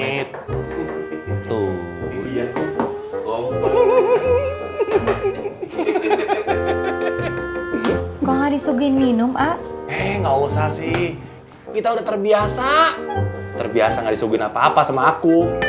eh wuli masuk